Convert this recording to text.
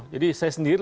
jadi saya sendiri